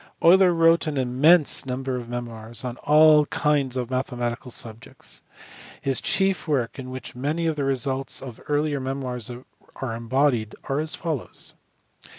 Euler wrote an immense number of memoirs on all kinds of mathematical subjects. His chief works, in which many of the results of earlier memoirs are embodied, are as fol lows.